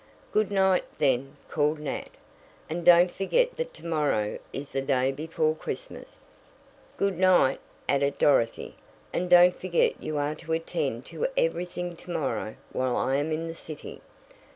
"Good night, then," called Nat, "and don't forget that to morrow is the day before Christmas." "Good night," added Dorothy, "and don't forget you are to attend to everything to morrow while I am in the city.